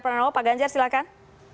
pernah nggak tahu pak ganjar silakan